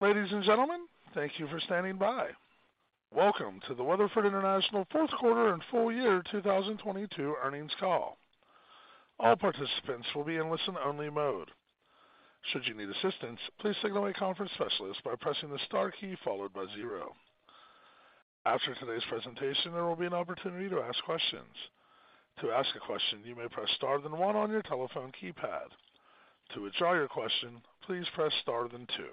Ladies and gentlemen, thank you for standing by. Welcome to the Weatherford International fourth quarter and full year 2022 earnings call. All participants will be in listen-only mode. Should you need assistance, please signal a conference specialist by pressing the star key followed by zero. After today's presentation, there will be an opportunity to ask questions. To ask a question, you may press star then one on your telephone keypad. To withdraw your question, please press star then two.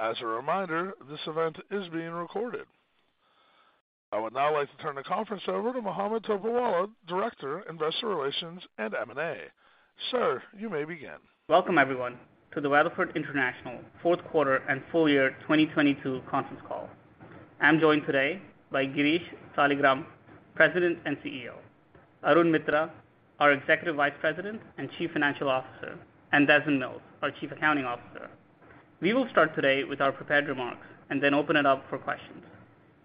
As a reminder, this event is being recorded. I would now like to turn the conference over to Mohammed Topiwala, Director, Investor Relations and M&A. Sir, you may begin. Welcome everyone to the Weatherford International fourth quarter and full year 2022 conference call. I'm joined today by Girish Saligram, President and CEO, Arun Mitra, our Executive Vice President and Chief Financial Officer, and Desmond Mills, our Chief Accounting Officer. We will start today with our prepared remarks and then open it up for questions.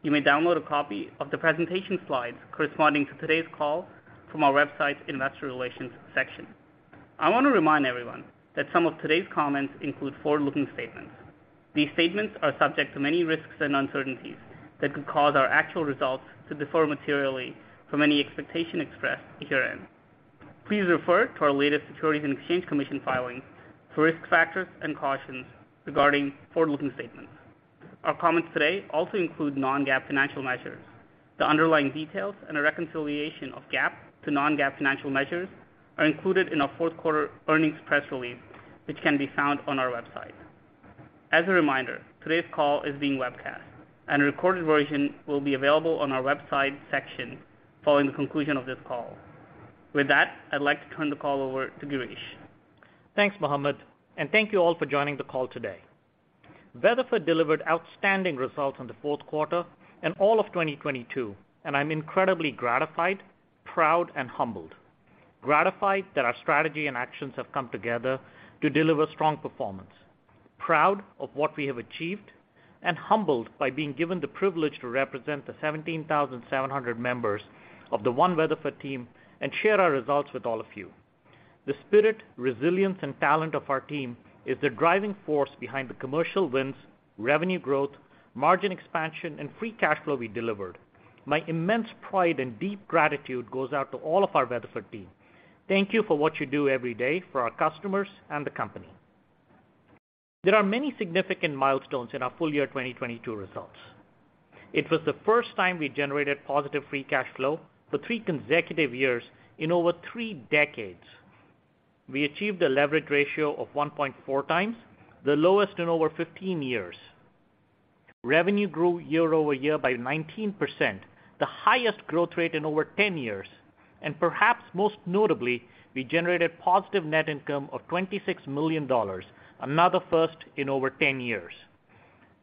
You may download a copy of the presentation slides corresponding to today's call from our website's Investor Relations section. I wanna remind everyone that some of today's comments include forward-looking statements. These statements are subject to many risks and uncertainties that could cause our actual results to differ materially from any expectation expressed herein. Please refer to our latest Securities and Exchange Commission filing for risk factors and cautions regarding forward-looking statements. Our comments today also include non-GAAP financial measures. The underlying details and a reconciliation of GAAP to non-GAAP financial measures are included in our fourth quarter earnings press release, which can be found on our website. As a reminder, today's call is being webcast, and a recorded version will be available on our website section following the conclusion of this call. With that, I'd like to turn the call over to Girish. Thanks, Mohammed, and thank you all for joining the call today. Weatherford delivered outstanding results in the fourth quarter and all of 2022, and I'm incredibly gratified, proud, and humbled. Gratified that our strategy and actions have come together to deliver strong performance. Proud of what we have achieved, and humbled by being given the privilege to represent the 17,700 members of the One Weatherford team and share our results with all of you. The spirit, resilience, and talent of our team is the driving force behind the commercial wins, revenue growth, margin expansion, and free cash flow we delivered. My immense pride and deep gratitude goes out to all of our Weatherford team. Thank you for what you do every day for our customers and the company. There are many significant milestones in our full year 2022 results. It was the first time we generated positive free cash flow for three consecutive years in over three decades. We achieved a leverage ratio of 1.4x, the lowest in over 15 years. Revenue grew year-over-year by 19%, the highest growth rate in over 10 years. Perhaps most notably, we generated positive net income of $26 million, another first in over 10 years.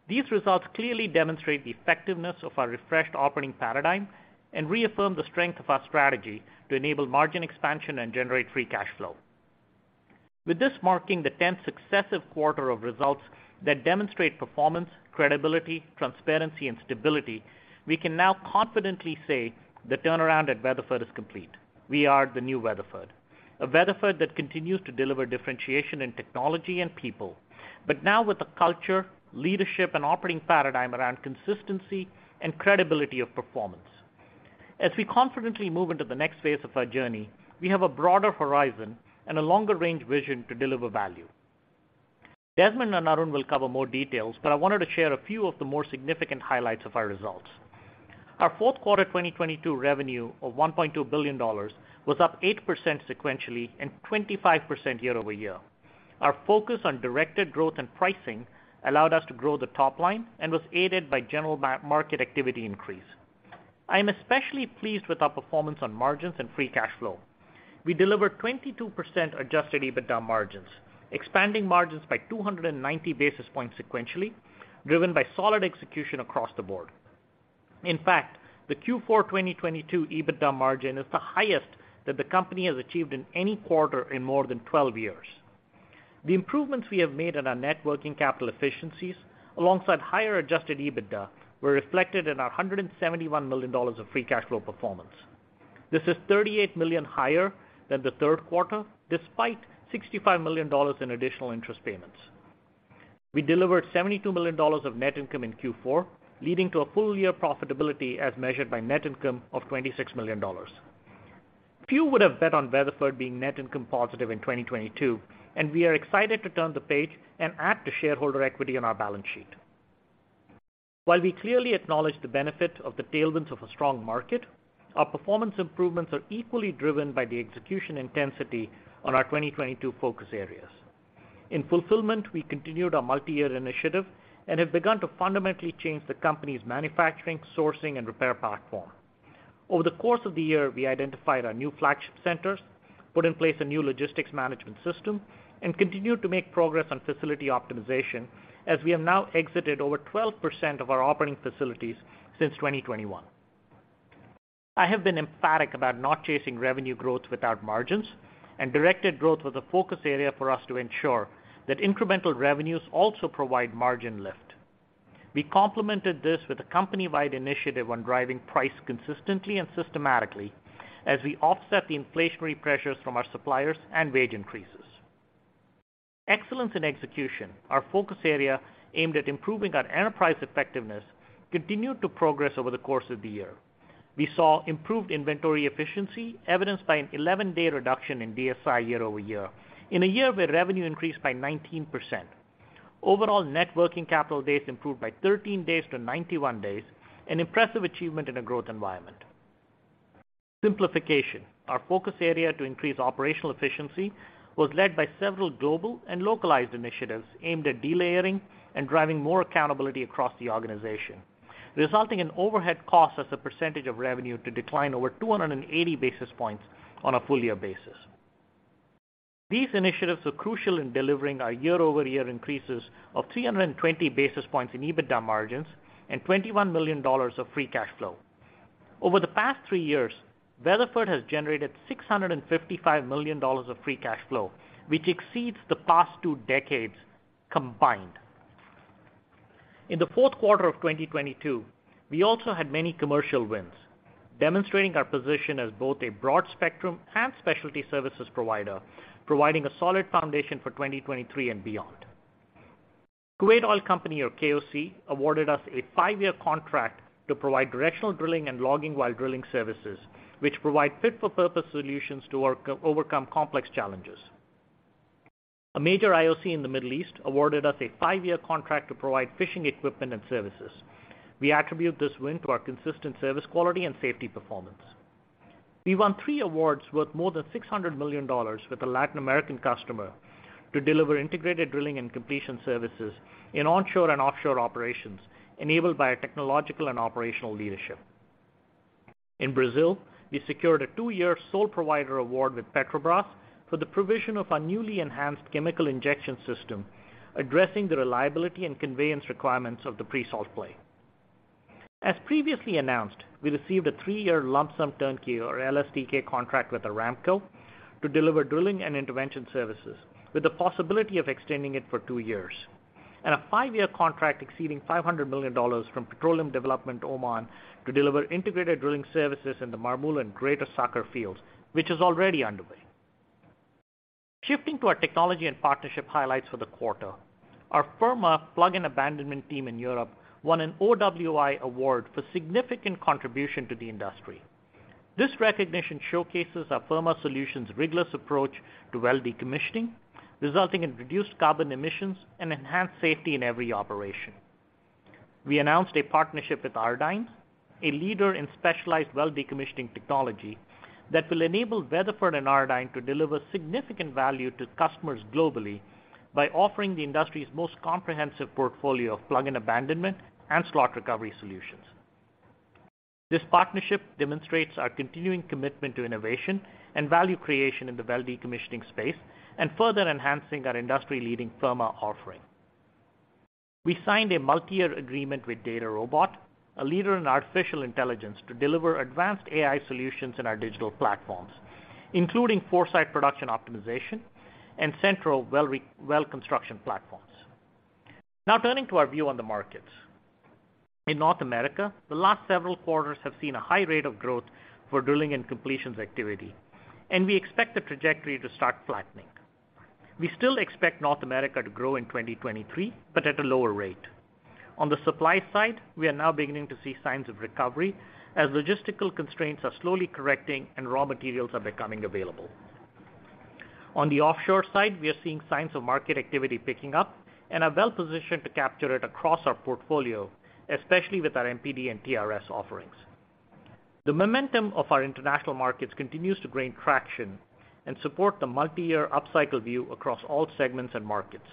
These results clearly demonstrate the effectiveness of our refreshed operating paradigm and reaffirm the strength of our strategy to enable margin expansion and generate free cash flow. With this marking the 10th successive quarter of results that demonstrate performance, credibility, transparency, and stability, we can now confidently say the turnaround at Weatherford is complete. We are the new Weatherford. Weatherford that continues to deliver differentiation in technology and people, now with a culture, leadership, and operating paradigm around consistency and credibility of performance. We confidently move into the next phase of our journey, we have a broader horizon and a longer range vision to deliver value. Desmond and Arun will cover more details, I wanted to share a few of the more significant highlights of our results. Our fourth quarter 2022 revenue of $1.2 billion was up 8% sequentially and 25% year-over-year. Our focus on directed growth and pricing allowed us to grow the top line and was aided by general market activity increase. I am especially pleased with our performance on margins and free cash flow. We delivered 22% adjusted EBITDA margins, expanding margins by 290 basis points sequentially, driven by solid execution across the board. In fact, the Q4 2022 EBITDA margin is the highest that the company has achieved in any quarter in more than 12 years. The improvements we have made in our net working capital efficiencies, alongside higher adjusted EBITDA, were reflected in our $171 million of free cash flow performance. This is $38 million higher than the third quarter, despite $65 million in additional interest payments. We delivered $72 million of net income in Q4, leading to a full year profitability as measured by net income of $26 million. Few would have bet on Weatherford being net income positive in 2022, and we are excited to turn the page and add to shareholder equity on our balance sheet. While we clearly acknowledge the benefit of the tailwinds of a strong market, our performance improvements are equally driven by the execution intensity on our 2022 focus areas. In fulfillment, we continued our multi-year initiative and have begun to fundamentally change the company's manufacturing, sourcing, and repair platform. Over the course of the year, we identified our new flagship centers, put in place a new logistics management system, and continued to make progress on facility optimization, as we have now exited over 12% of our operating facilities since 2021. I have been emphatic about not chasing revenue growth without margins, and directed growth was a focus area for us to ensure that incremental revenues also provide margin lift. We complemented this with a company-wide initiative on driving price consistently and systematically as we offset the inflationary pressures from our suppliers and wage increases. Excellence in execution, our focus area aimed at improving our enterprise effectiveness, continued to progress over the course of the year. We saw improved inventory efficiency evidenced by an 11-day reduction in DSI year-over-year in a year where revenue increased by 19%. Overall net working capital days improved by 13 days to 91 days, an impressive achievement in a growth environment. Simplification, our focus area to increase operational efficiency, was led by several global and localized initiatives aimed at delayering and driving more accountability across the organization, resulting in overhead costs as a percentage of revenue to decline over 280 basis points on a full year basis. These initiatives are crucial in delivering our year-over-year increases of 320 basis points in EBITDA margins and $21 million of free cash flow. Over the past three years, Weatherford has generated $655 million of free cash flow, which exceeds the past two decades combined. In the fourth quarter of 2022, we also had many commercial wins, demonstrating our position as both a broad spectrum and specialty services provider, providing a solid foundation for 2023 and beyond. Kuwait Oil Company, or KOC, awarded us a five year contract to provide directional drilling and logging while drilling services, which provide fit for purpose solutions to overcome complex challenges. A major IOC in the Middle East awarded us a five year contract to provide fishing equipment and services. We attribute this win to our consistent service quality and safety performance. We won three awards worth more than $600 million with a Latin American customer to deliver integrated drilling and completion services in onshore and offshore operations enabled by our technological and operational leadership. In Brazil, we secured a two year sole provider award with Petrobras for the provision of our newly enhanced chemical injection system, addressing the reliability and conveyance requirements of the pre-salt play. As previously announced, we received a three year lump sum turnkey or LSTK contract with Aramco to deliver drilling and intervention services with the possibility of extending it for two years, and a five year contract exceeding $500 million from Petroleum Development Oman to deliver integrated drilling services in the Marmul and Greater Saqar fields, which is already underway. Shifting to our technology and partnership highlights for the quarter, our Firma plug and abandonment team in Europe won an OWI award for significant contribution to the industry. This recognition showcases our Firma Solutions' rigorous approach to well decommissioning, resulting in reduced carbon emissions and enhanced safety in every operation. We announced a partnership with Ardyne, a leader in specialized well decommissioning technology that will enable Weatherford and Ardyne to deliver significant value to customers globally by offering the industry's most comprehensive portfolio of plug and abandonment and slot recovery solutions. This partnership demonstrates our continuing commitment to innovation and value creation in the well decommissioning space and further enhancing our industry-leading Firma offering. We signed a multi-year agreement with DataRobot, a leader in artificial intelligence, to deliver advanced AI solutions in our digital platforms, including ForeSite production optimization and Centro well construction platforms. Now turning to our view on the markets. In North America, the last several quarters have seen a high rate of growth for drilling and completions activity. We expect the trajectory to start flattening. We still expect North America to grow in 2023, at a lower rate. On the supply side, we are now beginning to see signs of recovery as logistical constraints are slowly correcting and raw materials are becoming available. On the offshore side, we are seeing signs of market activity picking up and are well positioned to capture it across our portfolio, especially with our MPD and TRS offerings. The momentum of our international markets continues to gain traction and support the multi-year upcycle view across all segments and markets.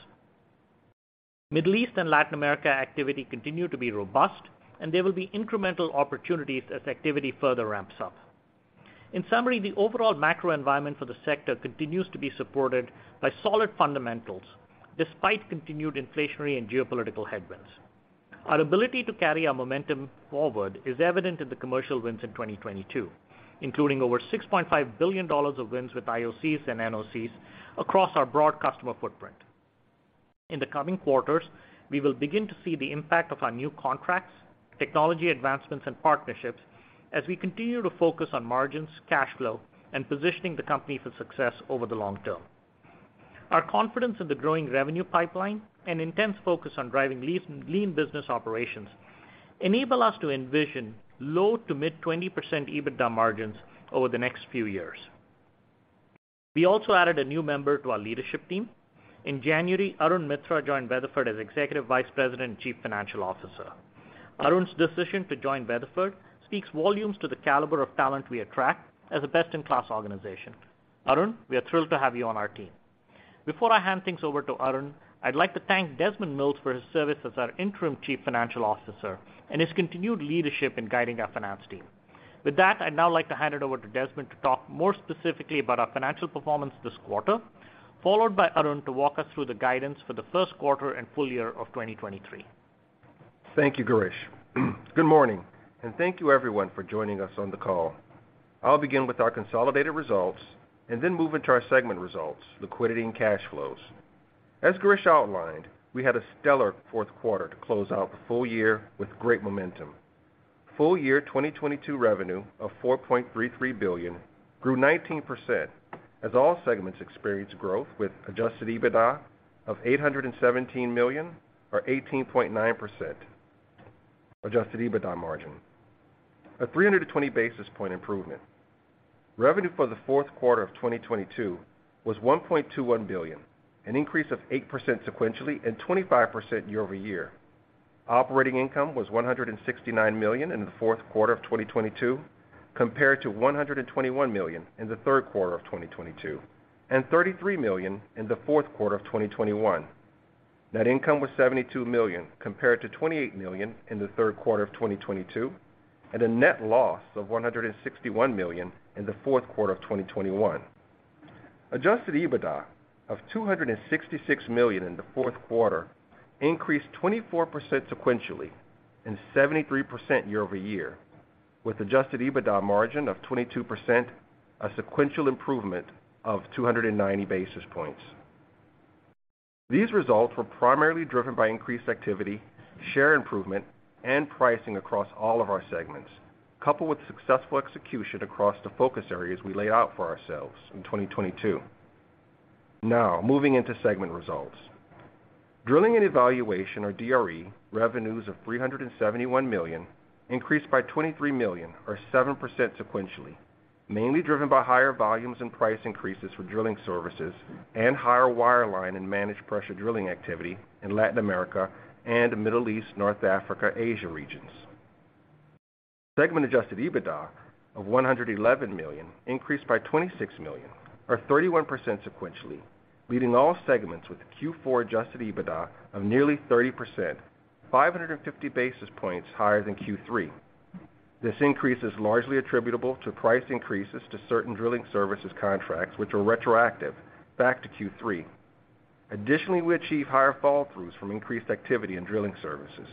Middle East and Latin America activity continue to be robust. There will be incremental opportunities as activity further ramps up. In summary, the overall macro environment for the sector continues to be supported by solid fundamentals despite continued inflationary and geopolitical headwinds. Our ability to carry our momentum forward is evident in the commercial wins in 2022, including over $6.5 billion of wins with IOCs and NOCs across our broad customer footprint. In the coming quarters, we will begin to see the impact of our new contracts, technology advancements, and partnerships as we continue to focus on margins, cash flow, and positioning the company for success over the long term. Our confidence in the growing revenue pipeline and intense focus on driving lean business operations enable us to envision low to mid 20% EBITDA margins over the next few years. We also added a new member to our leadership team. In January, Arun Mitra joined Weatherford as Executive Vice President and Chief Financial Officer. Arun's decision to join Weatherford speaks volumes to the caliber of talent we attract as a best-in-class organization. Arun, we are thrilled to have you on our team. Before I hand things over to Arun, I'd like to thank Desmond Mills for his service as our interim chief financial officer and his continued leadership in guiding our finance team. With that, I'd now like to hand it over to Desmond to talk more specifically about our financial performance this quarter, followed by Arun to walk us through the guidance for the first quarter and full year of 2023. Thank you, Girish. Good morning, and thank you everyone for joining us on the call. I'll begin with our consolidated results and then move into our segment results, liquidity, and cash flows. As Girish outlined, we had a stellar fourth quarter to close out the full year with great momentum. Full year 2022 revenue of $4.33 billion grew 19% as all segments experienced growth with adjusted EBITDA of $817 million, or 18.9% adjusted EBITDA margin, a 320 basis point improvement. Revenue for the fourth quarter of 2022 was $1.21 billion, an increase of 8% sequentially and 25% year-over-year. Operating income was $169 million in the fourth quarter of 2022 compared to $121 million in the third quarter of 2022, and $33 million in the fourth quarter of 2021. Net income was $72 million compared to $28 million in the third quarter of 2022, and a net loss of $161 million in the fourth quarter of 2021. Adjusted EBITDA of $266 million in the fourth quarter increased 24% sequentially and 73% year-over-year with adjusted EBITDA margin of 22%, a sequential improvement of 290 basis points. These results were primarily driven by increased activity, share improvement and pricing across all of our segments, coupled with successful execution across the focus areas we laid out for ourselves in 2022. Moving into segment results. Drilling and evaluation, or DRE, revenues of $371 million increased by $23 million, or 7% sequentially, mainly driven by higher volumes and price increases for drilling services and higher wireline and managed pressure drilling activity in Latin America and the Middle East, North Africa, Asia regions. Segment adjusted EBITDA of $111 million increased by $26 million or 31% sequentially, leading all segments with Q4 adjusted EBITDA of nearly 30%, 550 basis points higher than Q3. This increase is largely attributable to price increases to certain drilling services contracts, which are retroactive back to Q3. Additionally, we achieve higher fall throughs from increased activity in drilling services.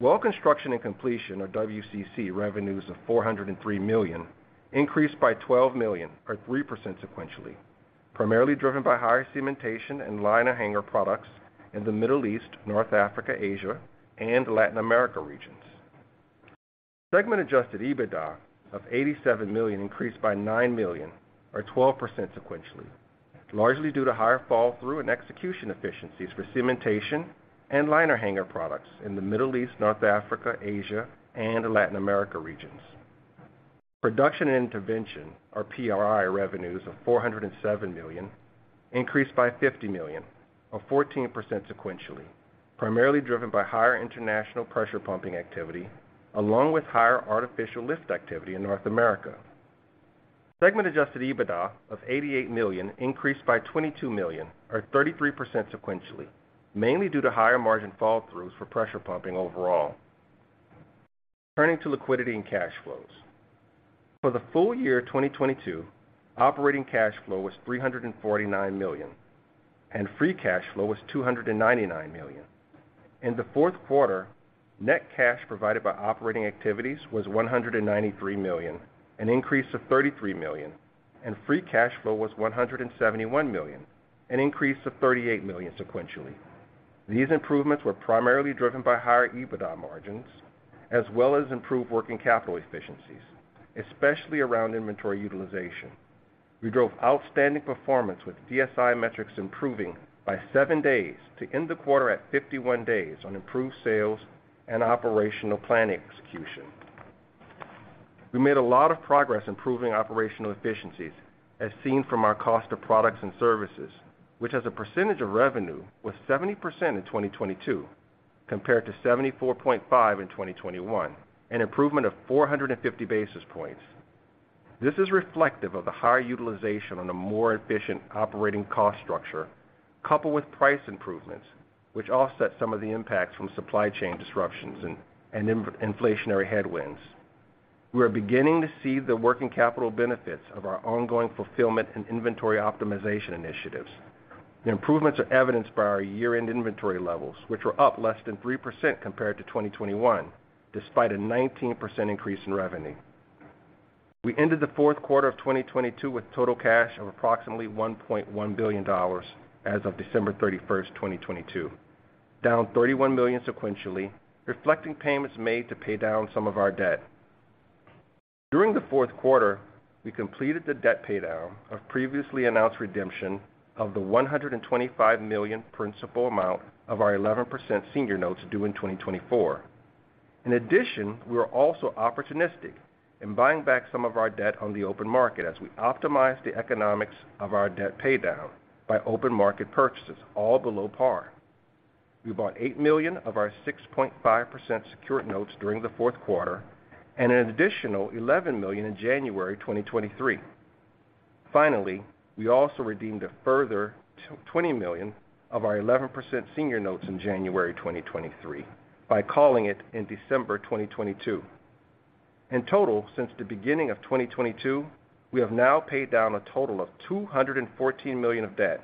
Well construction and completion of WCC revenues of $403 million increased by $12 million or 3% sequentially, primarily driven by higher cementation and liner hanger products in the Middle East, North Africa, Asia and Latin America regions. Segment adjusted EBITDA of $87 million increased by $9 million or 12% sequentially, largely due to higher fall through and execution efficiencies for cementation and liner hanger products in the Middle East, North Africa, Asia and Latin America regions. Production and intervention, or PRI, revenues of $407 million increased by $50 million, or 14% sequentially, primarily driven by higher international pressure pumping activity along with higher artificial lift activity in North America. Segment adjusted EBITDA of $88 million increased by $22 million, or 33% sequentially, mainly due to higher margin fall throughs for pressure pumping overall. Turning to liquidity and cash flows. For the full year 2022, operating cash flow was $349 million, and free cash flow was $299 million. In the fourth quarter, net cash provided by operating activities was $193 million, an increase of $33 million, and free cash flow was $171 million, an increase of $38 million sequentially. These improvements were primarily driven by higher EBITDA margins as well as improved working capital efficiencies, especially around inventory utilization. We drove outstanding performance with DSI metrics improving by seven days to end the quarter at 51 days on improved sales and operational planning execution. We made a lot of progress improving operational efficiencies as seen from our cost of products and services, which as a percentage of revenue was 70% in 2022 compared to 74.5% in 2021, an improvement of 450 basis points. This is reflective of the higher utilization on a more efficient operating cost structure coupled with price improvements, which offset some of the impacts from supply chain disruptions and inflationary headwinds. We are beginning to see the working capital benefits of our ongoing fulfillment and inventory optimization initiatives. The improvements are evidenced by our year-end inventory levels, which were up less than 3% compared to 2021, despite a 19% increase in revenue. We ended the 4th quarter of 2022 with total cash of approximately $1.1 billion as of December 31st, 2022, down $31 million sequentially, reflecting payments made to pay down some of our debt. During the 4th quarter, we completed the debt paydown of previously announced redemption of the $125 million principal amount of our 11% senior notes due in 2024. We are also opportunistic in buying back some of our debt on the open market as we optimize the economics of our debt paydown by open market purchases all below par. We bought $8 million of our 6.5% secured notes during the 4th quarter and an additional $11 million in January 2023. We also redeemed a further $20 million of our 11% senior notes in January 2023 by calling it in December 2022. Since the beginning of 2022, we have now paid down a total of $214 million of debt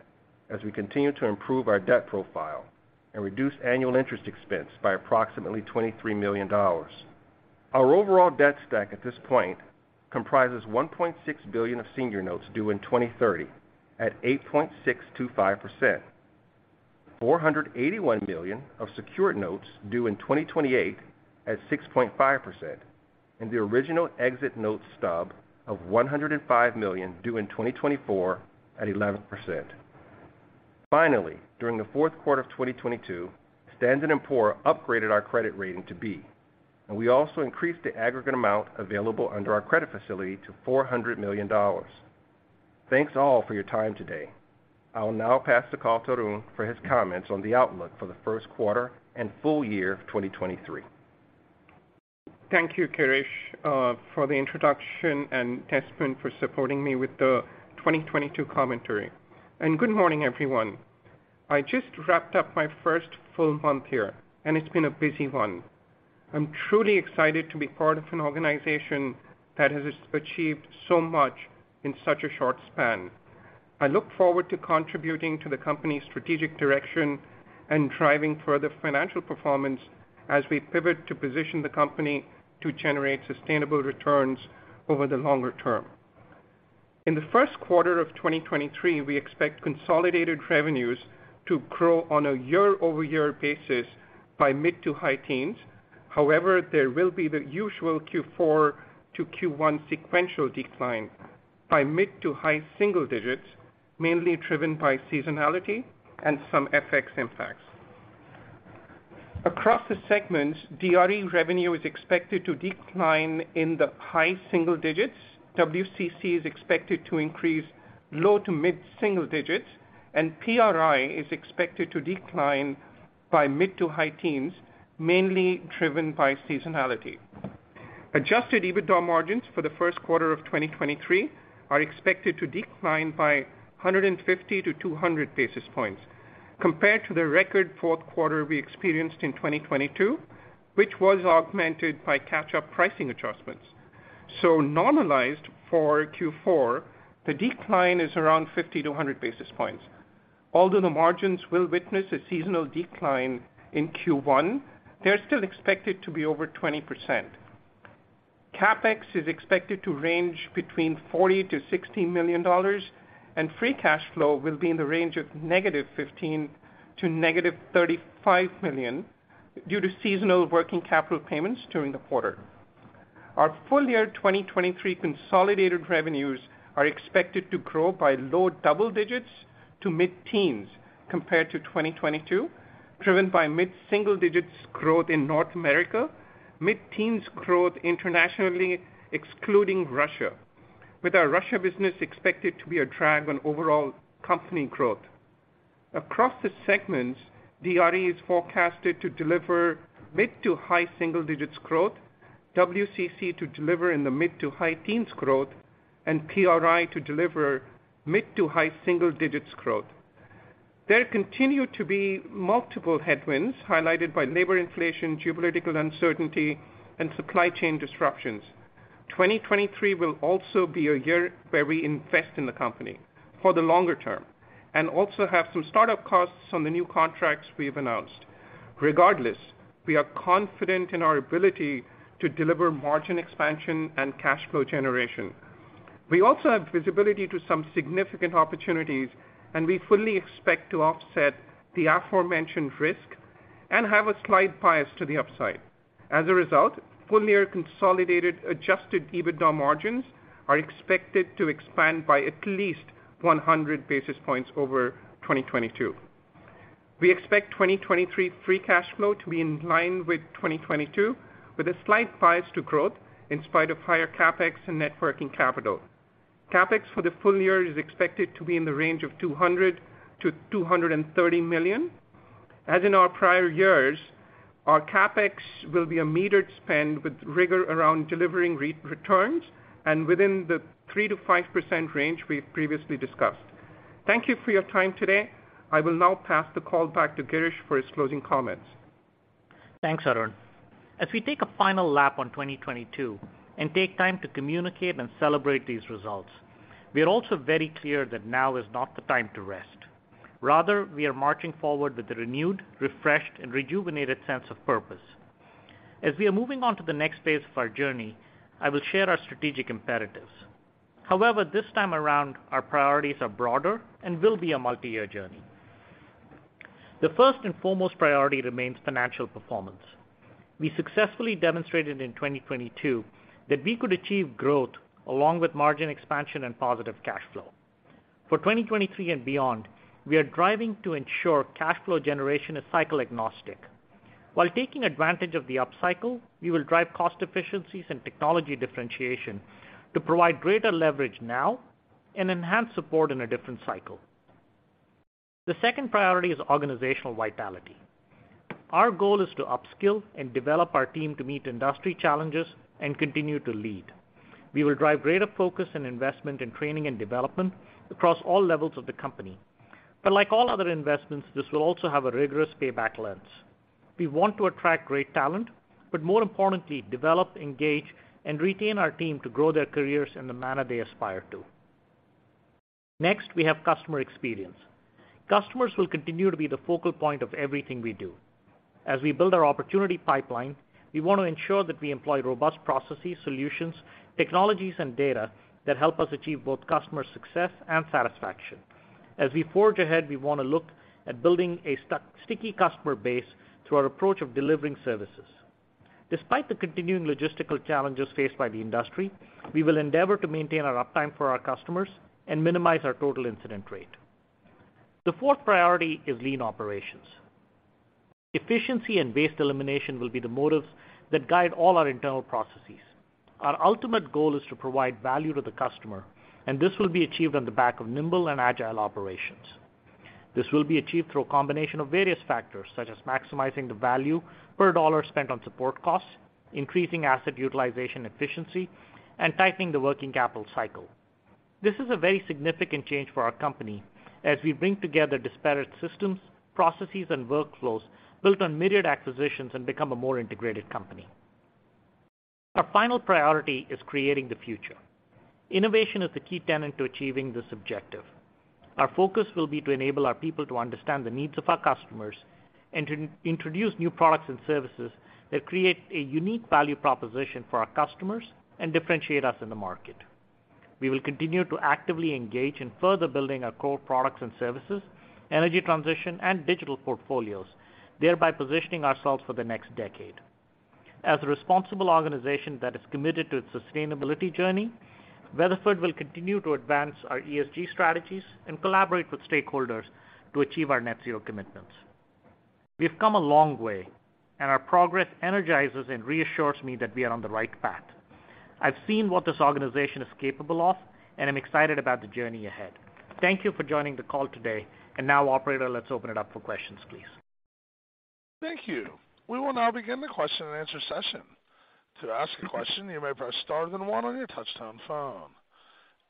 as we continue to improve our debt profile. Reduce annual interest expense by approximately $23 million. Our overall debt stack at this point comprises $1.6 billion of senior notes due in 2030 at 8.625%. $481 million of secured notes due in 2028 at 6.5%, and the original exit note stub of $105 million due in 2024 at 11%. Finally, during the fourth quarter of 2022, S&P Global Ratings upgraded our credit rating to B, and we also increased the aggregate amount available under our credit facility to $400 million. Thanks, all, for your time today. I will now pass the call to Arun for his comments on the outlook for the first quarter and full year of 2023. Thank you, Girish, for the introduction, and Desmond for supporting me with the 2022 commentary. Good morning, everyone. I just wrapped up my first full month here, and it's been a busy one. I'm truly excited to be part of an organization that has achieved so much in such a short span. I look forward to contributing to the company's strategic direction and driving further financial performance as we pivot to position the company to generate sustainable returns over the longer term. In the first quarter of 2023, we expect consolidated revenues to grow on a year-over-year basis by mid-to-high teens%. However, there will be the usual Q4 to Q1 sequential decline by mid-to-high single digits%, mainly driven by seasonality and some FX impacts. Across the segments, DRE revenue is expected to decline in the high single digits%. WCC is expected to increase low to mid single digits. PRI is expected to decline by mid-to-high teens, mainly driven by seasonality. Adjusted EBITDA margins for the first quarter of 2023 are expected to decline by 150-200 basis points compared to the record fourth quarter we experienced in 2022, which was augmented by catch-up pricing adjustments. Normalized for Q4, the decline is around 50-100 basis points. Although the margins will witness a seasonal decline in Q1, they're still expected to be over 20%. CapEx is expected to range between $40 million-$60 million, and free cash flow will be in the range of -$15 million to -$35 million due to seasonal working capital payments during the quarter. Our full year 2023 consolidated revenues are expected to grow by low double-digits to mid-teens compared to 2022, driven by mid-single-digits growth in North America, mid-teens growth internationally, excluding Russia, with our Russia business expected to be a drag on overall company growth. Across the segments, DRE is forecasted to deliver mid-to-high single-digits growth, WCC to deliver in the mid-to-high teens growth, and PRI to deliver mid-to-high single-digits growth. There continue to be multiple headwinds highlighted by labor inflation, geopolitical uncertainty, and supply chain disruptions. 2023 will also be a year where we invest in the company for the longer term and also have some start-up costs on the new contracts we've announced. Regardless, we are confident in our ability to deliver margin expansion and cash flow generation. We also have visibility to some significant opportunities. We fully expect to offset the aforementioned risk and have a slight bias to the upside. As a result, full-year consolidated adjusted EBITDA margins are expected to expand by at least 100 basis points over 2022. We expect 2023 free cash flow to be in line with 2022, with a slight bias to growth in spite of higher CapEx and net working capital. CapEx for the full year is expected to be in the range of $200 million-$230 million. As in our prior years, our CapEx will be a metered spend with rigor around delivering re-returns and within the 3%-5% range we've previously discussed. Thank you for your time today. I will now pass the call back to Girish for his closing comments. Thanks, Arun. As we take a final lap on 2022 and take time to communicate and celebrate these results, we are also very clear that now is not the time to rest. Rather, we are marching forward with a renewed, refreshed, and rejuvenated sense of purpose. As we are moving on to the next phase of our journey, I will share our strategic imperatives. However, this time around, our priorities are broader and will be a multi-year journey. The first and foremost priority remains financial performance. We successfully demonstrated in 2022 that we could achieve growth along with margin expansion and positive cash flow. For 2023 and beyond, we are driving to ensure cash flow generation is cycle agnostic. While taking advantage of the upcycle, we will drive cost efficiencies and technology differentiation to provide greater leverage now and enhance support in a different cycle. The second priority is organizational vitality. Our goal is to upskill and develop our team to meet industry challenges and continue to lead. We will drive greater focus and investment in training and development across all levels of the company. Like all other investments, this will also have a rigorous payback lens. We want to attract great talent, but more importantly, develop, engage, and retain our team to grow their careers in the manner they aspire to. Next, we have customer experience. Customers will continue to be the focal point of everything we do. As we build our opportunity pipeline, we want to ensure that we employ robust processes, solutions, technologies, and data that help us achieve both customer success and satisfaction. As we forge ahead, we want to look at building a sticky customer base through our approach of delivering services. Despite the continuing logistical challenges faced by the industry, we will endeavor to maintain our uptime for our customers and minimize our total incident rate. The fourth priority is lean operations. Efficiency and waste elimination will be the motives that guide all our internal processes. Our ultimate goal is to provide value to the customer. This will be achieved on the back of nimble and agile operations. This will be achieved through a combination of various factors, such as maximizing the value per dollar spent on support costs, increasing asset utilization efficiency, and tightening the working capital cycle. This is a very significant change for our company as we bring together disparate systems, processes, and workflows built on myriad acquisitions and become a more integrated company. Our final priority is creating the future. Innovation is the key tenet to achieving this objective. Our focus will be to enable our people to understand the needs of our customers and to introduce new products and services that create a unique value proposition for our customers and differentiate us in the market. We will continue to actively engage in further building our core products and services, energy transition, and digital portfolios, thereby positioning ourselves for the next decade. As a responsible organization that is committed to its sustainability journey, Weatherford will continue to advance our ESG strategies and collaborate with stakeholders to achieve our net zero commitments. We've come a long way, and our progress energizes and reassures me that we are on the right path. I've seen what this organization is capable of, and I'm excited about the journey ahead. Thank you for joining the call today. Now, operator, let's open it up for questions, please. Thank you. We will now begin the question-and-answer session. To ask a question, you may press star then one on your touchtone phone.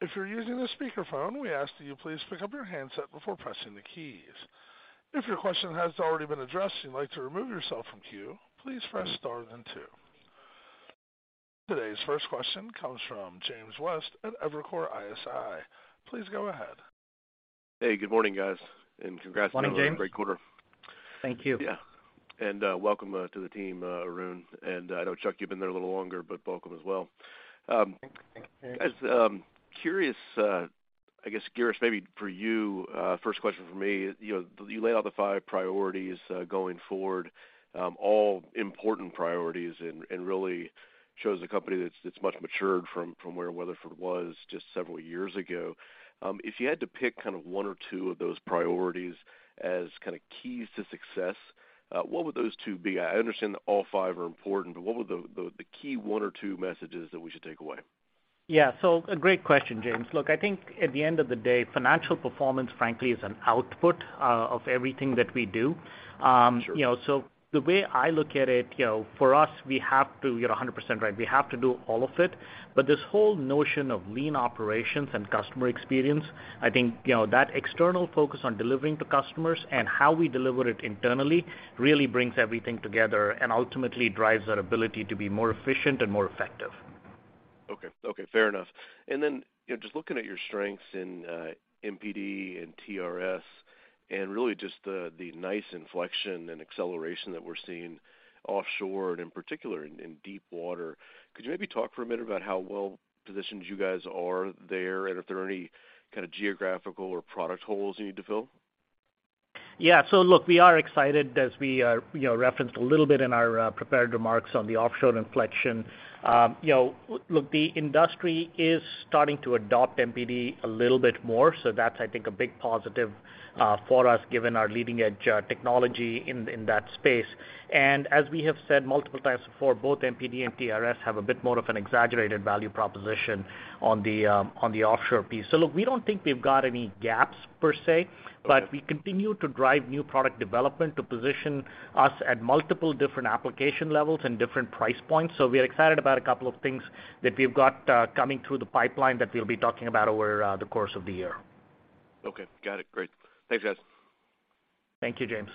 If you're using a speakerphone, we ask that you please pick up your handset before pressing the keys. If your question has already been addressed and you'd like to remove yourself from queue, please press star then two. Today's first question comes from James West at Evercore ISI. Please go ahead. Hey, good morning, guys. Morning, James. On a great quarter. Thank you. Yeah. Welcome, to the team, Arun. I know, Chuck, you've been there a little longer, but welcome as well. Thank you. Guys, curious, I guess, Girish, maybe for you. First question from me. You know, you laid out the five priorities, going forward, all important priorities and really shows a company that's much matured from where Weatherford was just several years ago. If you had to pick kind of one or two of those priorities as kind of keys to success, what would those two be? I understand that all five are important, but what would the key one or two messages that we should take away? Yeah. A great question, James. Look, I think at the end of the day, financial performance, frankly, is an output, of everything that we do. Sure. You know, the way I look at it, you know, for us, we have to, you're 100% right, we have to do all of it. This whole notion of lean operations and customer experience, I think, you know, that external focus on delivering to customers and how we deliver it internally really brings everything together and ultimately drives our ability to be more efficient and more effective. Okay. Okay, fair enough. Then, you know, just looking at your strengths in MPD and TRS and really just the nice inflection and acceleration that we're seeing offshore and in particular in deep water. Could you maybe talk for a minute about how well-positioned you guys are there and if there are any kind of geographical or product holes you need to fill? Look, we are excited as we are, you know, referenced a little bit in our prepared remarks on the offshore inflection. You know, look, the industry is starting to adopt MPD a little bit more, so that's I think a big positive for us, given our leading-edge technology in that space. As we have said multiple times before, both MPD and TRS have a bit more of an exaggerated value proposition on the offshore piece. Look, we don't think we've got any gaps per se. Okay. We continue to drive new product development to position us at multiple different application levels and different price points. We are excited about a couple of things that we've got coming through the pipeline that we'll be talking about over the course of the year. Okay, got it. Great. Thanks, guys. Thank you, James.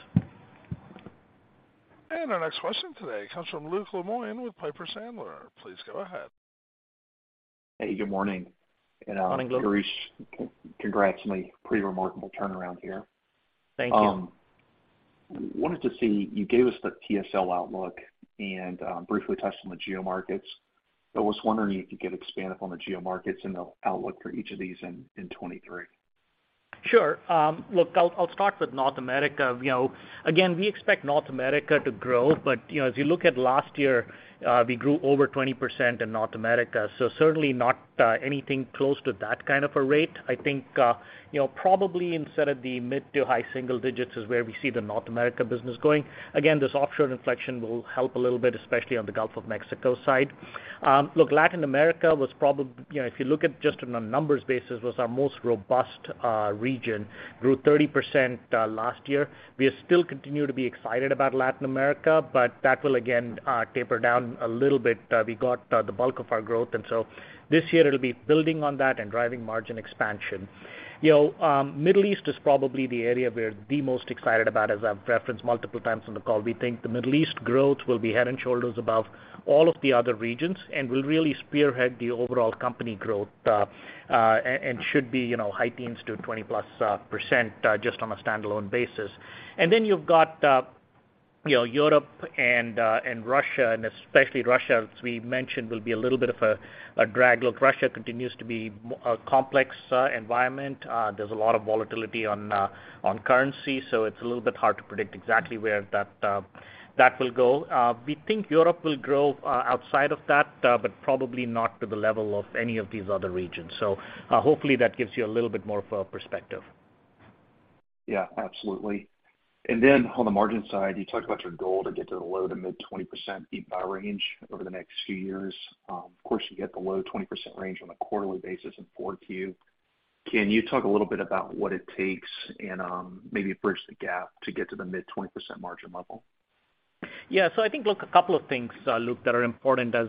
Our next question today comes from Luke Lemoine with Piper Sandler. Please go ahead. Hey, good morning. Morning, Luke. Girish, congrats on a pretty remarkable turnaround here. Thank you. Wanted to see, you gave us the TSL outlook and briefly touched on the geomarkets. I was wondering if you could expand upon the geomarkets and the outlook for each of these in 2023? Sure. Look, I'll start with North America. You know, again, we expect North America to grow. You know, as you look at last year, we grew over 20% in North America, certainly not anything close to that kind of a rate. I think, you know, probably instead of the mid to high single digits is where we see the North America business going. Again, this offshore inflection will help a little bit, especially on the Gulf of Mexico side. Look, Latin America was, you know, if you look at just on a numbers basis, was our most robust region, grew 30% last year. We still continue to be excited about Latin America, that will again taper down a little bit. We got the bulk of our growth. This year it'll be building on that and driving margin expansion. You know, Middle East is probably the area we're the most excited about. As I've referenced multiple times on the call, we think the Middle East growth will be head and shoulders above all of the other regions and will really spearhead the overall company growth and should be, you know, high teens to 20%+, just on a standalone basis. You've got Europe and Russia, and especially Russia, as we mentioned, will be a little bit of a drag. Look, Russia continues to be a complex environment. There's a lot of volatility on currency, so it's a little bit hard to predict exactly where that will go. We think Europe will grow outside of that, but probably not to the level of any of these other regions. Hopefully that gives you a little bit more of a perspective. Absolutely. On the margin side, you talked about your goal to get to the low to mid 20% EBITDA range over the next few years. Of course, you get the low 20% range on a quarterly basis in 4Q. Can you talk a little bit about what it takes and maybe bridge the gap to get to the mid 20% margin level? Yeah. I think, look, a couple of things, Luke, that are important. As,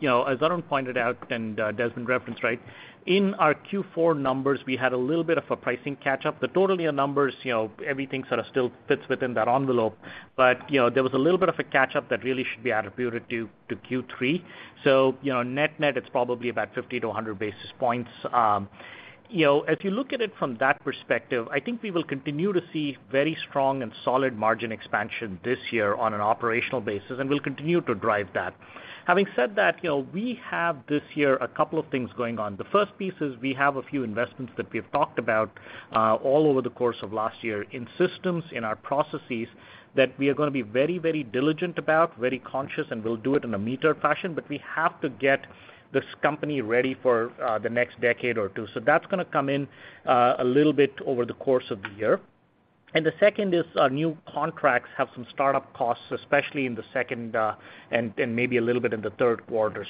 you know, as Arun pointed out and Desmond referenced, right? In our Q4 numbers, we had a little bit of a pricing catch-up. The totality of numbers, you know, everything sort of still fits within that envelope. You know, there was a little bit of a catch-up that really should be attributed to Q3. You know, net-net, it's probably about 50 to 100 basis points. You know, if you look at it from that perspective, I think we will continue to see very strong and solid margin expansion this year on an operational basis, and we'll continue to drive that. Having said that, you know, we have this year a couple of things going on. The first piece is we have a few investments that we've talked about, all over the course of last year in systems, in our processes, that we are gonna be very, very diligent about, very conscious, and we'll do it in a metered fashion, but we have to get this company ready for the next decade or two. That's gonna come in a little bit over the course of the year. The second is our new contracts have some start-up costs, especially in the second and maybe a little bit in the third quarter.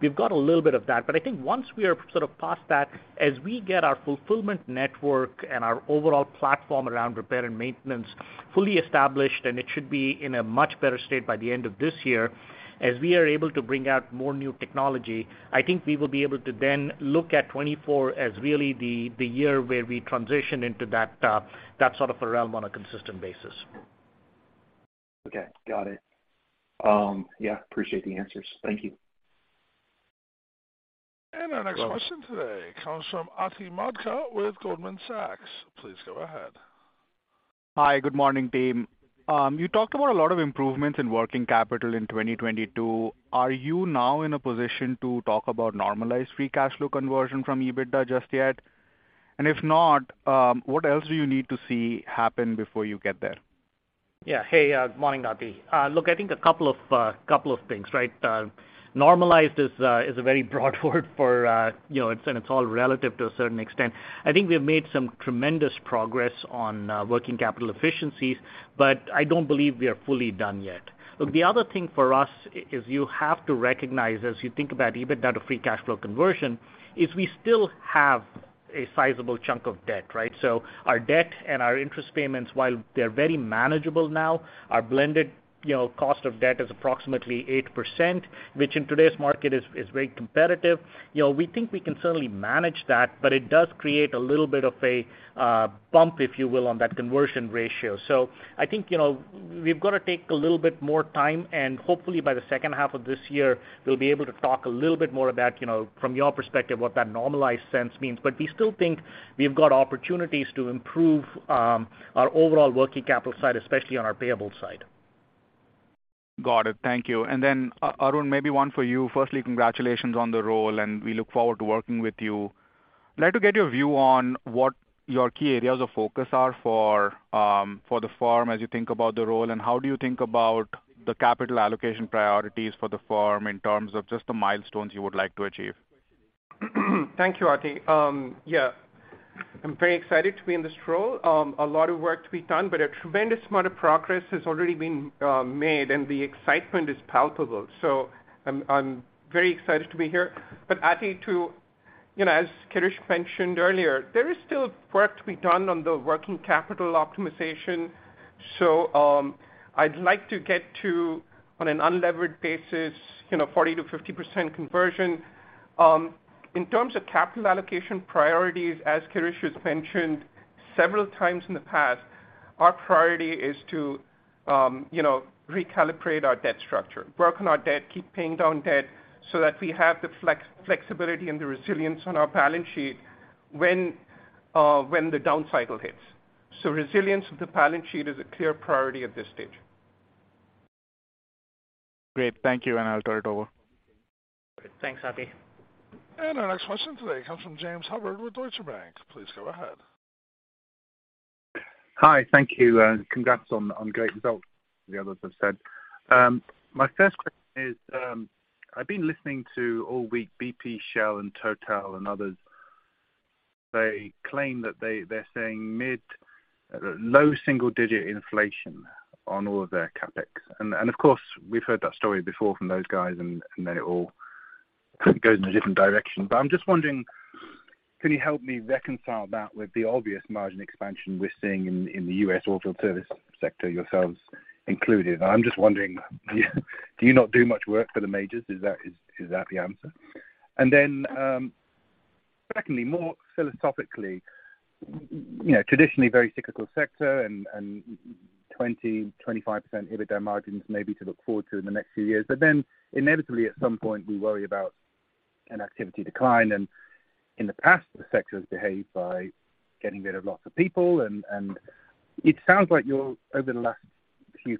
We've got a little bit of that. I think once we're sort of past that, as we get our fulfillment network and our overall platform around repair and maintenance fully established, and it should be in a much better state by the end of this year, as we are able to bring out more new technology, I think we will be able to then look at 2024 as really the year where we transition into that sort of realm on a consistent basis. Okay. Got it. Yeah, appreciate the answers. Thank you. Our next question today comes from Ati Modak with Goldman Sachs. Please go ahead. Hi. Good morning, team. You talked about a lot of improvements in working capital in 2022. Are you now in a position to talk about normalized free cash flow conversion from EBITDA just yet? If not, what else do you need to see happen before you get there? Yeah. Hey, good morning, Ati. Look, I think a couple of, couple of things, right? Normalized is a very broad word for, you know, and it's all relative to a certain extent. I think we've made some tremendous progress on working capital efficiencies, but I don't believe we are fully done yet. Look, the other thing for us is you have to recognize as you think about EBITDA to free cash flow conversion, is we still have a sizable chunk of debt, right? Our debt and our interest payments, while they're very manageable now, our blended, you know, cost of debt is approximately 8%, which in today's market is very competitive. You know, we think we can certainly manage that, but it does create a little bit of a bump, if you will, on that conversion ratio. I think, you know, we've gotta take a little bit more time, and hopefully by the second half of this year, we'll be able to talk a little bit more about, you know, from your perspective, what that normalized sense means. We still think we've got opportunities to improve, our overall working capital side, especially on our payable side. Got it. Thank you. Then Arun, maybe one for you. Firstly, congratulations on the role, and we look forward to working with you. I'd like to get your view on what your key areas of focus are for the firm as you think about the role, and how do you think about the capital allocation priorities for the firm in terms of just the milestones you would like to achieve? Thank you, Ati. Yeah, I'm very excited to be in this role. A lot of work to be done, a tremendous amount of progress has already been made, and the excitement is palpable. I'm very excited to be here. Ati to, you know, as Girish mentioned earlier, there is still work to be done on the working capital optimization. I'd like to get to, on an unlevered basis, you know, 40%-50% conversion. In terms of capital allocation priorities, as Girish has mentioned several times in the past, our priority is to, you know, recalibrate our debt structure, work on our debt, keep paying down debt so that we have the flexibility and the resilience on our balance sheet when the down cycle hits. Resilience of the balance sheet is a clear priority at this stage. Great. Thank you. I'll turn it over. Great. Thanks, Ati. Our next question today comes from James Hubbard with Deutsche Bank. Please go ahead. Hi. Thank you, and congrats on great results, the others have said. My first question is, I've been listening to all week BP, Shell, and TotalEnergies and others. They claim that they're saying low single-digit inflation on all of their CapEx. Of course, we've heard that story before from those guys, and then it all goes in a different direction. I'm just wondering, can you help me reconcile that with the obvious margin expansion we're seeing in the U.S. oilfield service sector, yourselves included? I'm just wondering, do you not do much work for the majors? Is that the answer? Secondly, more philosophically, you know, traditionally very cyclical sector and 20%-25% EBITDA margins maybe to look forward to in the next few years. Inevitably at some point, we worry about activity decline. In the past, the sector has behaved by getting rid of lots of people, and it sounds like you're over the last few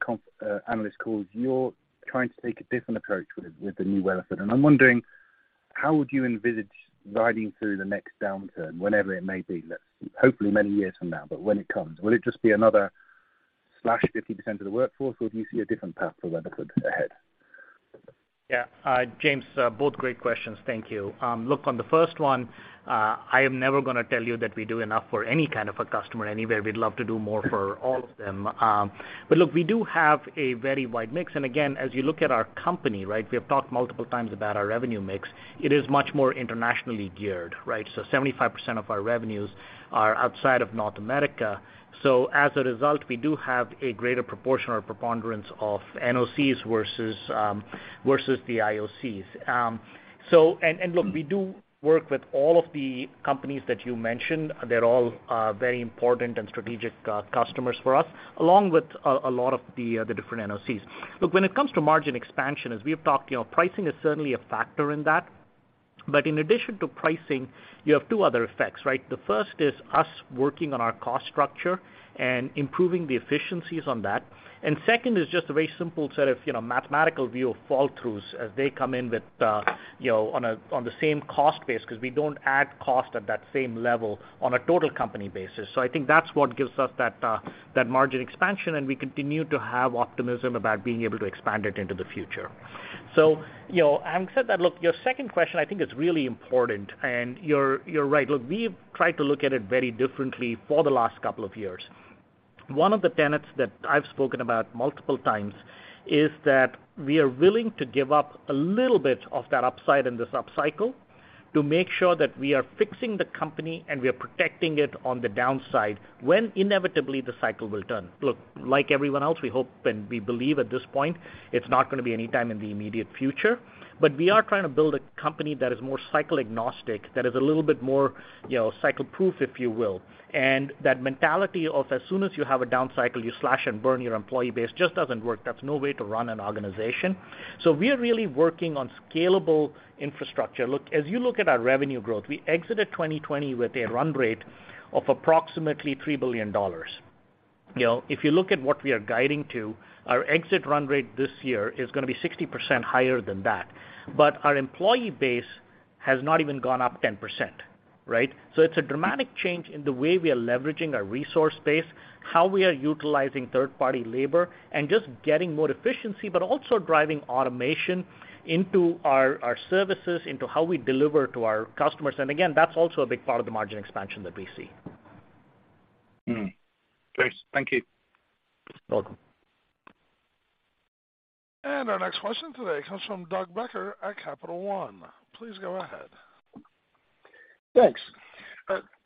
analyst calls, you're trying to take a different approach with the new Weatherford. I'm wondering how would you envisage riding through the next downturn, whenever it may be? Let's hopefully many years from now, but when it comes. Will it just be another slash 50% of the workforce, or do you see a different path for Weatherford ahead? Yeah. James, both great questions. Thank you. Look, on the first one, I am never gonna tell you that we do enough for any kind of a customer anywhere. We'd love to do more for all of them. Look, we do have a very wide mix. Again, as you look at our company, right? We have talked multiple times about our revenue mix. It is much more internationally geared, right? 75% of our revenues are outside of North America. As a result, we do have a greater proportion or preponderance of NOCs versus the IOCs. Look, we do work with all of the companies that you mentioned. They're all, very important and strategic, customers for us, along with a lot of the different NOCs. When it comes to margin expansion, as we have talked, you know, pricing is certainly a factor in that. In addition to pricing, you have two other effects, right? The first is us working on our cost structure and improving the efficiencies on that. Second is just a very simple set of, you know, mathematical view of fall-throughs as they come in with, you know, on the same cost base, 'cause we don't add cost at that same level on a total company basis. I think that's what gives us that margin expansion, and we continue to have optimism about being able to expand it into the future. You know, having said that, look, your second question, I think is really important, and you're right. Look, we've tried to look at it very differently for the last couple of years. One of the tenets that I've spoken about multiple times is that we are willing to give up a little bit of that upside in this upcycle to make sure that we are fixing the company and we are protecting it on the downside when inevitably the cycle will turn. Look, like everyone else, we hope and we believe at this point it's not gonna be any time in the immediate future, but we are trying to build a company that is more cycle agnostic, that is a little bit more, you know, cycle proof, if you will. That mentality of as soon as you have a downcycle, you slash and burn your employee base just doesn't work. That's no way to run an organization. We are really working on scalable infrastructure. Look, as you look at our revenue growth, we exited 2020 with a run rate of approximately $3 billion. You know, if you look at what we are guiding to, our exit run rate this year is gonna be 60% higher than that. Our employee base has not even gone up 10%, right? It's a dramatic change in the way we are leveraging our resource base, how we are utilizing third-party labor and just getting more efficiency, but also driving automation into our services, into how we deliver to our customers. Again, that's also a big part of the margin expansion that we see. James, thank you. Welcome. Our next question today comes from Doug Becker at Capital One. Please go ahead. Thanks.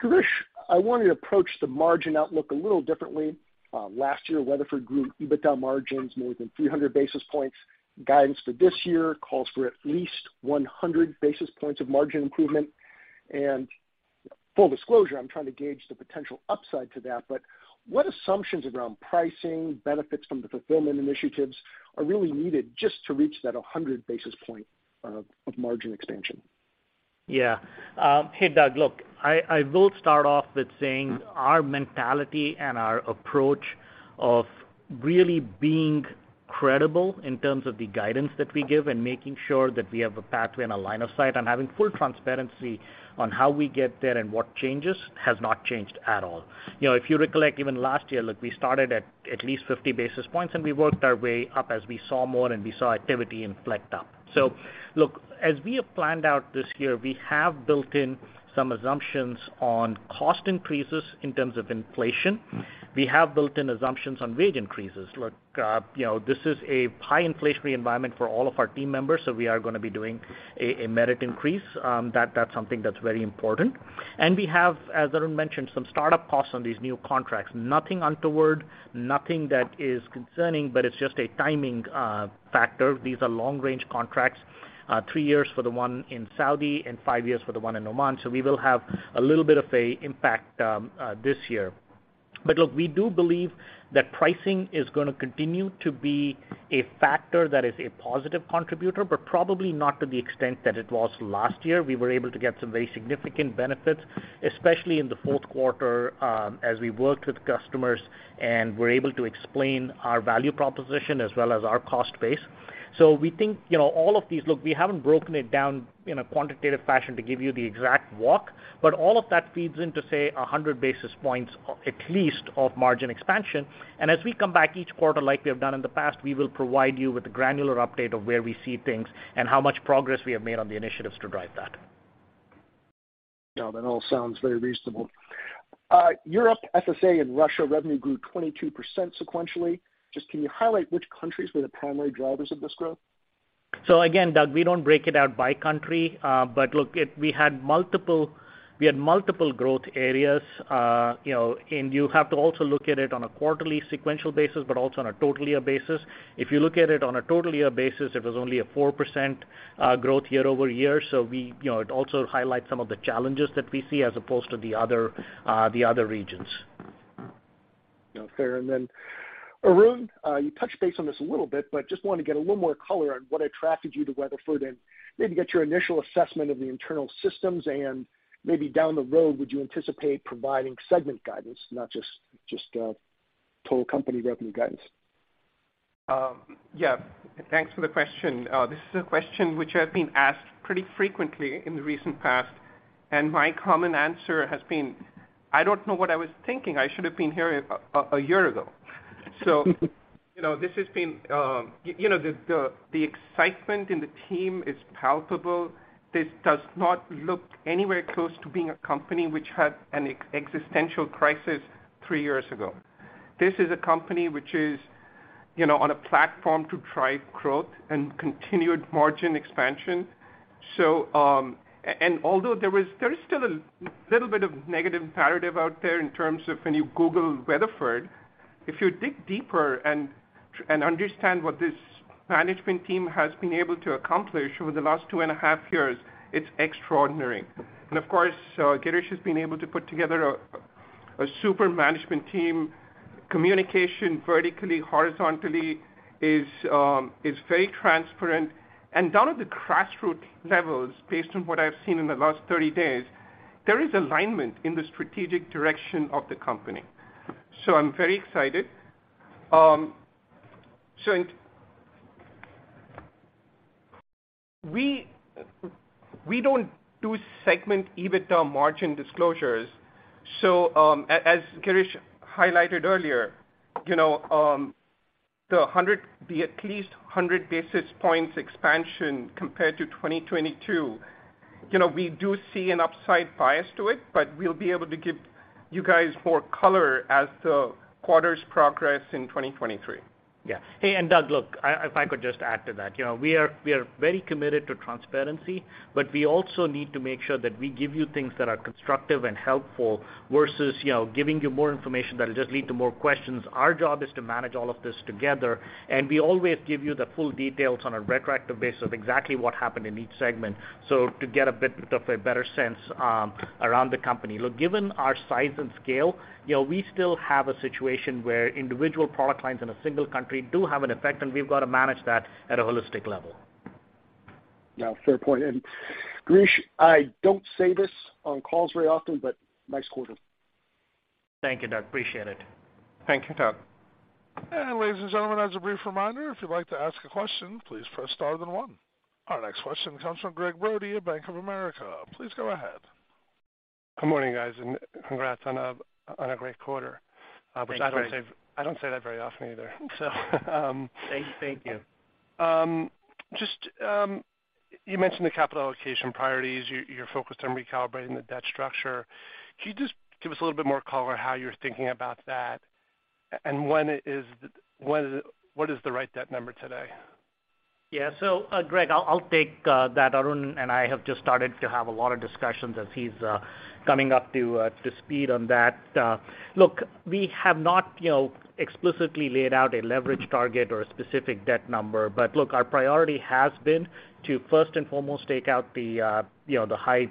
Girish, I wanted to approach the margin outlook a little differently. Last year, Weatherford grew EBITDA margins more than 300 basis points. Guidance for this year calls for at least 100 basis points of margin improvement. Full disclosure, I'm trying to gauge the potential upside to that, but what assumptions around pricing benefits from the fulfillment initiatives are really needed just to reach that 100 basis point of margin expansion? Yeah. Hey, Doug. Look, I will start off with saying our mentality and our approach of really being credible in terms of the guidance that we give and making sure that we have a pathway and a line of sight and having full transparency on how we get there and what changes has not changed at all. You know, if you recollect even last year, look, we started at least 50 basis points, and we worked our way up as we saw more and we saw activity inflect up. Look, as we have planned out this year, we have built in some assumptions on cost increases in terms of inflation. We have built in assumptions on wage increases. Look, you know, this is a high inflationary environment for all of our team members, so we are gonna be doing a merit increase. That's something that's very important. We have, as Arun mentioned, some startup costs on these new contracts. Nothing untoward, nothing that is concerning, but it's just a timing factor. These are long range contracts, three years for the one in Saudi and five years for the one in Oman, we will have a little bit of a impact this year. Look, we do believe that pricing is gonna continue to be a factor that is a positive contributor, but probably not to the extent that it was last year. We were able to get some very significant benefits, especially in the 4th quarter, as we worked with customers and were able to explain our value proposition as well as our cost base. We think, you know, Look, we haven't broken it down in a quantitative fashion to give you the exact walk, but all of that feeds into, say, 100 basis points at least of margin expansion. As we come back each quarter like we have done in the past, we will provide you with a granular update of where we see things and how much progress we have made on the initiatives to drive that. Yeah, that all sounds very reasonable. Europe, SSA and Russia revenue grew 22% sequentially. Just can you highlight which countries were the primary drivers of this growth? Again, Doug, we don't break it out by country. Look, we had multiple growth areas. You know, you have to also look at it on a quarterly sequential basis but also on a total year basis. If you look at it on a total year basis, it was only a 4% growth year-over-year. We, you know, it also highlights some of the challenges that we see as opposed to the other, the other regions. You know, fair. Arun, you touched base on this a little bit, but just wanted to get a little more color on what attracted you to Weatherford and maybe get your initial assessment of the internal systems and maybe down the road, would you anticipate providing segment guidance, not just total company revenue guidance? Thanks for the question. This is a question which I've been asked pretty frequently in the recent past, and my common answer has been, "I don't know what I was thinking. I should have been here a year ago." You know, this has been, you know, the excitement in the team is palpable. This does not look anywhere close to being a company which had an existential crisis three years ago. This is a company which is, you know, on a platform to drive growth and continued margin expansion. Although there is still a little bit of negative imperative out there in terms of when you google Weatherford, if you dig deeper and understand what this management team has been able to accomplish over the last 2.5 years, it's extraordinary. Of course, Girish has been able to put together a super management team. Communication vertically, horizontally is very transparent. Down at the grassroot levels, based on what I've seen in the last 30 days, there is alignment in the strategic direction of the company. I'm very excited. We don't do segment EBITDA margin disclosures. As Girish highlighted earlier, you know, at least 100 basis points expansion compared to 2022, you know, we do see an upside bias to it, but we'll be able to give you guys more color as the quarters progress in 2023. Yeah. Hey, Doug, look, if I could just add to that. You know, we are very committed to transparency, we also need to make sure that we give you things that are constructive and helpful versus, you know, giving you more information that'll just lead to more questions. Our job is to manage all of this together, we always give you the full details on a retroactive basis of exactly what happened in each segment, to get a bit of a better sense around the company. Look, given our size and scale, you know, we still have a situation where individual product lines in a single country do have an effect, we've got to manage that at a holistic level. Yeah, fair point. Girish, I don't say this on calls very often, but nice quarter. Thank you, Doug. Appreciate it. Thank you, Doug. Ladies and gentlemen, as a brief reminder, if you'd like to ask a question, please press star then one. Our next question comes from Gregg Brody of Bank of America. Please go ahead. Good morning, guys, and congrats on a great quarter. Thank you, Gregg. Which I don't say that very often either. Thank you. Thank you. Just, you mentioned the capital allocation priorities. You're focused on recalibrating the debt structure. Can you just give us a little bit more color on how you're thinking about that? When is the, what is the right debt number today? Yeah. Gregg, I'll take that. Arun and I have just started to have a lot of discussions as he's coming up to speed on that. Look, we have not, you know, explicitly laid out a leverage target or a specific debt number. Look, our priority has been to first and foremost take out the, you know, the high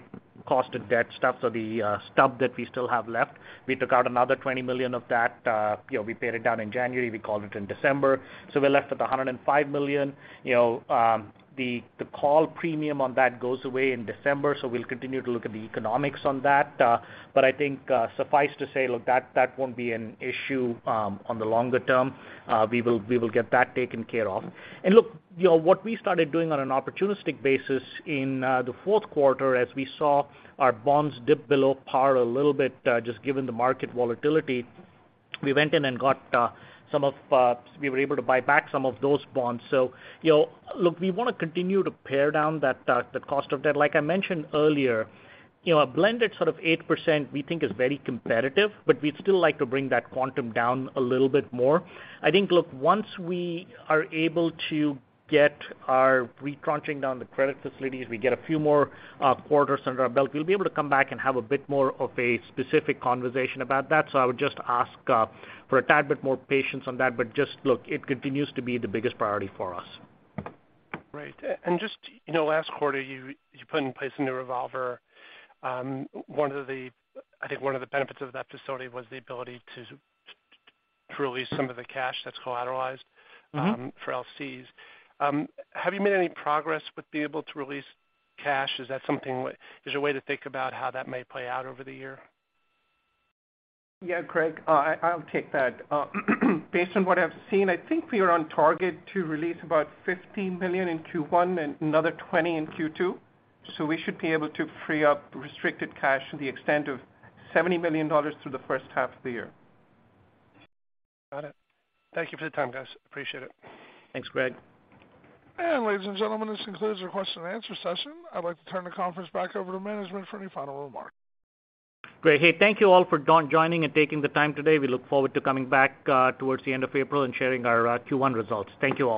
cost of debt stuff, so the stub that we still have left. We took out another $20 million of that. You know, we paid it down in January, we called it in December. We're left with $105 million. You know, the call premium on that goes away in December, so we'll continue to look at the economics on that. I think, suffice to say, look, that won't be an issue on the longer term. We will get that taken care of. Look, you know, what we started doing on an opportunistic basis in the fourth quarter as we saw our bonds dip below par a little bit, just given the market volatility, we were able to buy back some of those bonds. You know, look, we wanna continue to pare down that the cost of debt. Like I mentioned earlier, you know, a blended sort of 8% we think is very competitive, but we'd still like to bring that quantum down a little bit more. I think, look, once we are able to get our retrenching down the credit facilities, we get a few more quarters under our belt, we'll be able to come back and have a bit more of a specific conversation about that. I would just ask for a tad bit more patience on that. Just look, it continues to be the biggest priority for us. Right. Just, you know, last quarter, you put in place a new revolver. I think one of the benefits of that facility was the ability to release some of the cash that's collateralized-. Mm-hmm. For LCs. Have you made any progress with being able to release cash? Is there a way to think about how that may play out over the year? Gregg, I'll take that. Based on what I've seen, I think we are on target to release about $15 million in Q1 and another $20 million in Q2. We should be able to free up restricted cash to the extent of $70 million through the first half of the year. Got it. Thank you for the time, guys. Appreciate it. Thanks, Gregg. Ladies and gentlemen, this concludes our question and answer session. I'd like to turn the conference back over to management for any final remarks. Great. Hey, thank you all for joining and taking the time today. We look forward to coming back towards the end of April and sharing our Q1 results. Thank you all.